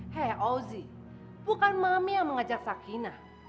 hei ozi bukan mami yang mengajak sakina